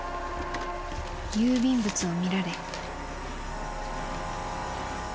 ［郵便物を見られ］